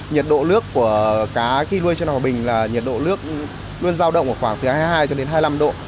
nhiệt độ nước của cá khi nuôi trên hòa bình là nhiệt độ nước luôn giao động ở khoảng từ hai mươi hai cho đến hai mươi năm độ